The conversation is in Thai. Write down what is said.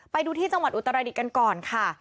ไปดูที่จังหวัดอุตรดิษฐ์กันก่อนค่ะ